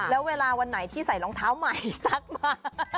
แล้วเวลาวันไหนที่ใส่รองเท้าใหม่ซักมา